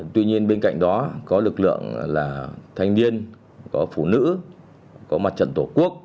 tuy nhiên bên cạnh đó có lực lượng là thanh niên có phụ nữ có mặt trận tổ quốc